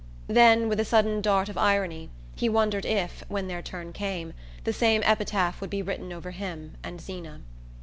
Then, with a sudden dart of irony, he wondered if, when their turn came, the same epitaph would be written over him and Zeena.